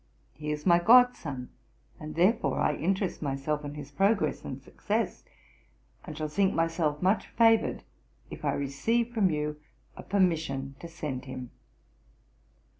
He is my god son, and therefore I interest myself in his progress and success, and shall think myself much favoured if I receive from you a permission to send him.